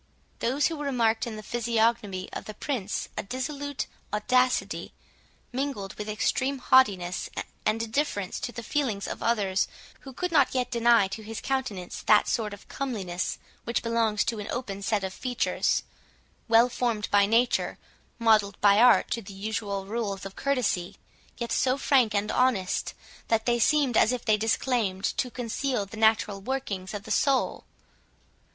Those who remarked in the physiognomy of the Prince a dissolute audacity, mingled with extreme haughtiness and indifference to the feelings of others could not yet deny to his countenance that sort of comeliness which belongs to an open set of features, well formed by nature, modelled by art to the usual rules of courtesy, yet so far frank and honest, that they seemed as if they disclaimed to conceal the natural workings of the soul.